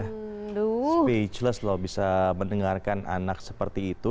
speechless loh bisa mendengarkan anak seperti itu